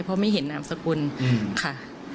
เพราะไม่เห็นนามสกุลค่ะ